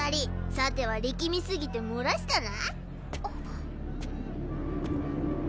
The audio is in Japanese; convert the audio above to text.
さては力み過ぎて漏らしたな？